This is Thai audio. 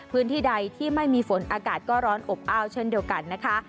พื้นที่ใดที่ไม่มีฝนอากาศก็ร้อนอบอ้าวเช่นเดียวกันนะคะ